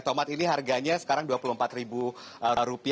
tomat ini harganya sekarang rp dua puluh empat